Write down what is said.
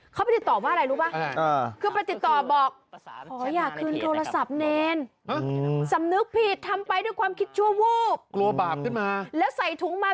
เข้าไปติดต่อว่าอะไรรู้ป่ะ